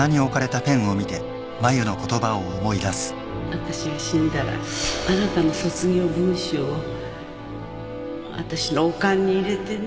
私が死んだらあなたの卒業文集を私のお棺に入れてね。